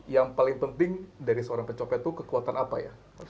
yang paling penting dari seorang pencopet itu kekuatan apa ya